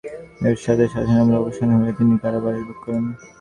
নব্বইয়ে স্বৈরাচারী অভিধায় পরিচিত এরশাদের শাসনামলের অবসান হলে তিনি কারাবাস ভোগ করেন।